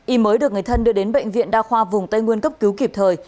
y mới được người thân đưa đến bệnh viện đa khoa vùng tây nguyên cấp cứu kịp thời